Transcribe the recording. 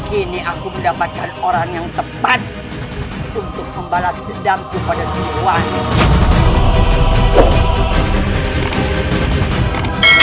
kini aku mendapatkan orang yang tepat untuk membalas dendamku pada si liwang